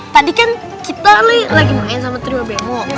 tadi kan kita lagi main sama kedua bemo